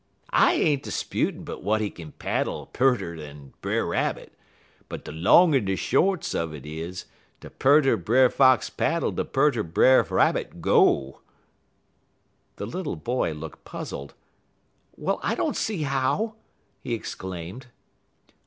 I ain't 'sputin' but w'at he kin paddle pearter dan Brer Rabbit, but de long en de shorts un it is, de pearter Brer Fox paddle de pearter Brer Rabbit go." The little boy looked puzzled. "Well, I don't see how," he exclaimed.